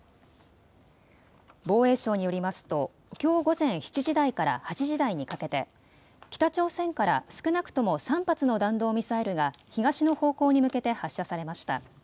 防衛省によりますときょう午前７時台から８時台にかけて北朝鮮から少なくとも３発の弾道ミサイルが東の方向に向けて発射されました。